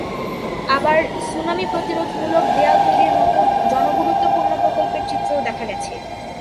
আবার সুনামি প্রতিরোধমূলক দেয়াল তৈরির মতো জনগুরুত্বপূর্ণ প্রকল্পের চিত্রও দেখা গেছে।